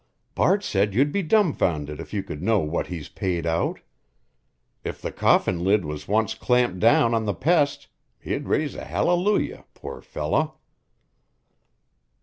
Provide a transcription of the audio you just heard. Bart said you'd be dumbfounded if you could know what he's paid out. If the coffin lid was once clamped down on the pest he'd raise a hallelujah, poor feller."